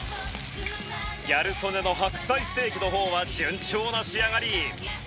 ギャル曽根の白菜ステーキの方は順調な仕上がり。